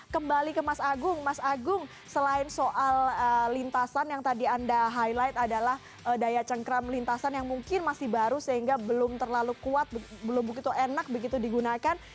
kembali ke mas agung mas agung selain soal lintasan yang tadi anda highlight adalah daya cengkram lintasan yang mungkin masih baru sehingga belum terlalu kuat belum begitu enak begitu digunakan